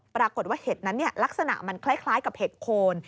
ปรากฏว่าเห็ดนั้นลักษณะมันคล้ายกับเห็ดโคน